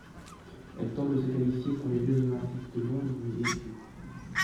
Elle tente de se qualifier pour les Jeux olympiques de Londres mais échoue.